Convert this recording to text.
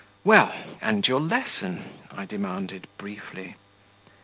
"Well and your lesson?" I demanded briefly.